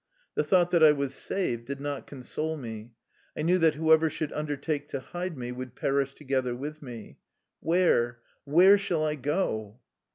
The thought that I was saved did not console me. I knew that whoever should undertake to hide me would perish to gether with me. "Where, where shall I go?"